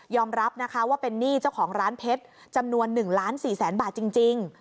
ยอมรับว่าเป็นนี่เจ้าของร้านเพชรจำนวน๑๔๐๐๐๐๐บาทจริง